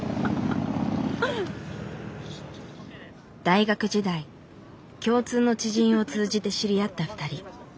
大学時代共通の知人を通じて知り合った２人。